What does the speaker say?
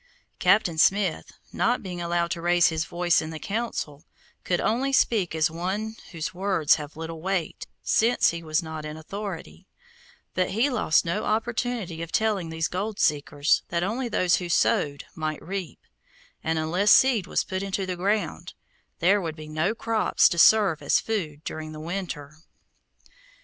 Captain Smith, not being allowed to raise his voice in the Council, could only speak as one whose words have little weight, since he was not in authority; but he lost no opportunity of telling these gold seekers that only those who sowed might reap, and unless seed was put into the ground, there would be no crops to serve as food during the winter.